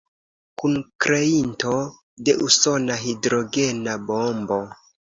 Kunkreinto de usona hidrogena bombo.